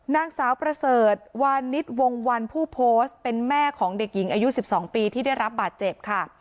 นางสาวประเสริฐวานิสวงวันผู้โพสต์เป็นแม่ของเด็กหญิงอายุ๑๒ปีที่ได้รับบาดเจ็บค่ะ